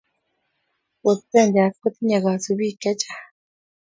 Post rangers ko tinye kasubik che chang